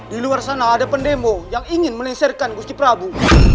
di luar sana ada pendembo yang ingin melinsirkan guski prabu